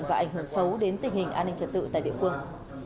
và ảnh hưởng xấu đến tình hình an ninh trật tự tại địa phương